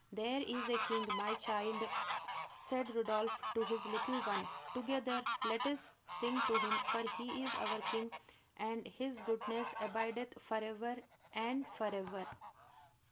"There is a king, my child," said Rodolph to his little one. "Together let us sing to him, for he is our king, and his goodness abideth forever and forever."